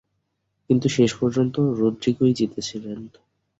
কিন্তু শেষ পর্যন্ত রদ্রিগোই জিতেছিলেন।